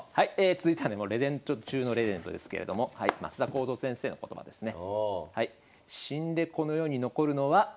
続いてはねレジェンド中のレジェンドですけれども升田幸三先生の言葉ですね。